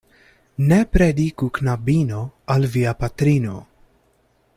Ne prediku knabino al via patrino.